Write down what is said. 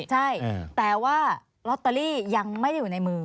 ใช่แต่ว่าลอตเตอรี่ยังไม่ได้อยู่ในมือ